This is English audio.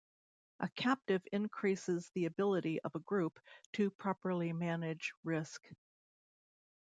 A captive increases the ability of a group to properly manage risk.